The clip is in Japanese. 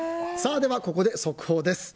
ここで速報です。